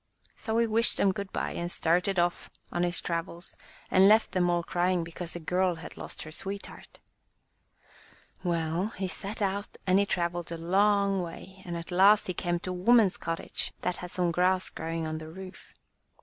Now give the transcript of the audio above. So he wished them good bye, and started off on his travels, and left them all crying because the girl had lost her sweetheart. Well, he set out, and he travelled a long way, and at last he came to a woman's cottage that had some grass growing on the roof.